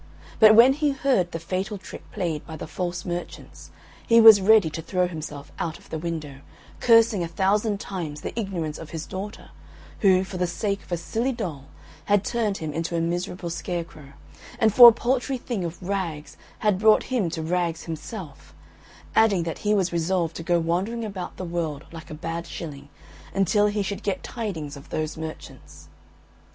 But when he heard the fatal trick played by the false merchants he was ready to throw himself out of the window, cursing a thousand times the ignorance of his daughter, who, for the sake of a silly doll had turned him into a miserable scarecrow, and for a paltry thing of rags had brought him to rags himself, adding that he was resolved to go wandering about the world like a bad shilling, until he should get tidings of those merchants.